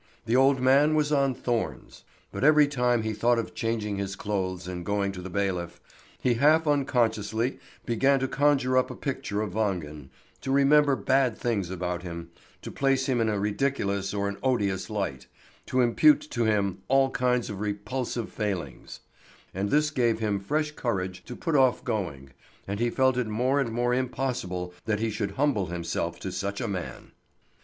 The old man was on thorns. But every time he thought of changing his clothes and going to the bailiff, he half unconsciously began to conjure up a picture of Wangen, to remember bad things about him, to place him in a ridiculous or an odious light, to impute to him all kinds of repulsive failings; and this gave him fresh courage to put off going, and he felt it more and more impossible that he should humble himself to such a man.